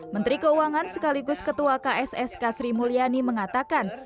menteri keuangan sekaligus ketua kssk sri mulyani mengatakan